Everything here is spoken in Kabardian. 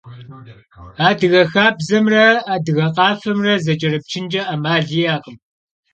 Adıge xabzemre adıge khafemre zeç'erıpçınç'e 'emal yi'ekhım.